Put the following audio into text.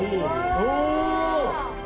お！